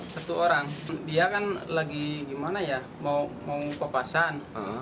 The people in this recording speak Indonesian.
satu orang dia kan lagi gimana ya mau papasan